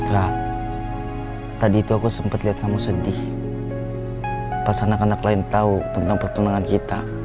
rara tadi itu aku sempet liat kamu sedih pas anak anak lain tau tentang pertunangan kita